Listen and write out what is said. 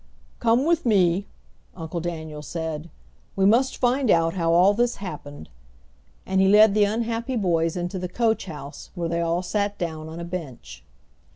"Come with me!" Uncle Daniel said; "we must find out how all this happened," and he led the unhappy boys into the coach house, where they all sat down on a bench.